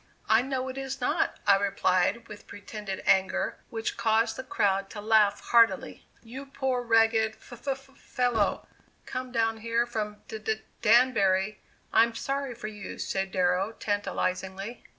"I know it is not," I replied, with pretended anger, which caused the crowd to laugh heartily. "You poor ragged f f fellow, come down here from D D Danbury, I'm sorry for you," said Darrow tantalizingly.